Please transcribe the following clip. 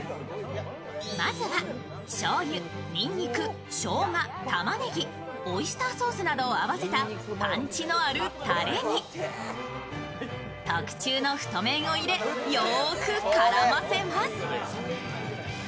まずはしょうゆ、にんにく、しょうが、たまねぎ、オイスターソースなどを合わせたパンチのあるタレに特注の太麺を入れ、よく絡ませます